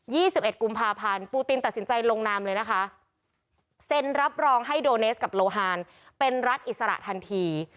ี่สิบเอ็ดกุมภาพันธ์ปูตินตัดสินใจลงนามเลยนะคะเซ็นรับรองให้โดเนสกับโลฮานเป็นรัฐอิสระทันที